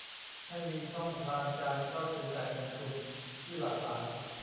ให้มีช่องทางการเข้าถึงแหล่งเงินทุนที่หลากหลาย